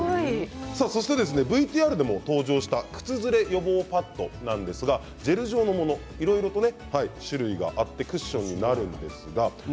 そしてＶＴＲでも登場した靴ずれ予防パッドなんですがジェル状のもの、いろんな種類があってクッションになります。